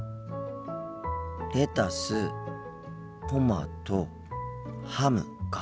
レタストマトハムか。